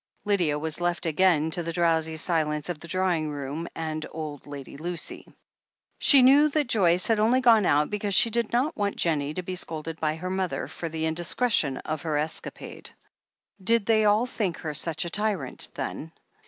Lydia was left again to the drowsy silence of the drawing room and old Lady Lucy. She knew that Joyce had only gone out because she did not want Jennie to be scolded by her mother for the indiscretion of her escapade. Did they all think her such a tyrant, then